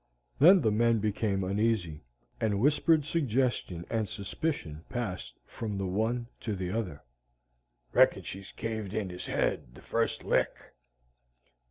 Then the men became uneasy, and whispered suggestion and suspicion passed from the one to the other. "Reckon she's caved in his head the first lick!"